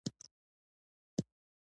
کلیوال خلک رښتونی وی